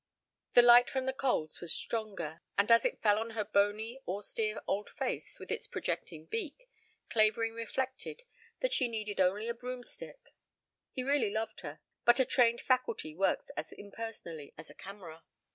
The light from the coals was stronger, and as it fell on her bony austere old face with its projecting beak, Clavering reflected that she needed only a broomstick. He really loved her, but a trained faculty works as impersonally as a camera.